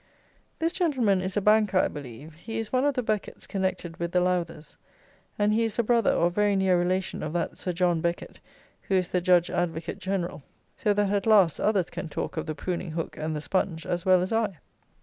This gentleman is a banker, I believe; he is one of the Beckets connected with the Lowthers; and he is a brother, or very near relation of that Sir John Becket who is the Judge Advocate General. So that, at last, others can talk of the pruning hook and the sponge, as well as I.